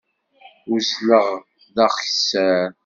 Uzzleɣ d akessar.